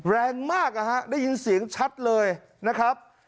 แรงมากนะฮะได้ยินเสียงชัดเลยนะครับ